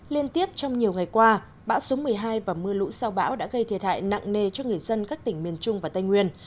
liên tiếp trong nhiều ngày qua bão số một mươi hai và mưa lũ sau bão đã gây thiệt hại nặng nề cho người dân các tỉnh miền trung và tây nguyên